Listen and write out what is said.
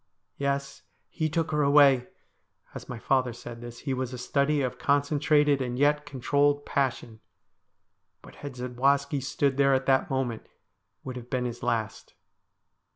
' Yes. He took her away.' As my father said this, he was a study of concentrated and yet controlled passion, but had Zadwaski stood there at that moment it would have been his last.